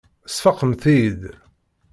Tesfaqemt-iyi-id.